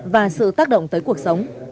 và sự tác động tới cuộc sống